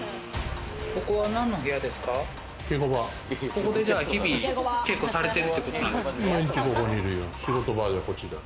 ここでじゃあ日々稽古されてるってことなんですね。